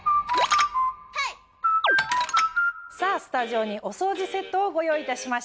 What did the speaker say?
さぁスタジオにお掃除セットをご用意いたしました。